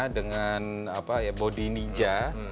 dengan body ninja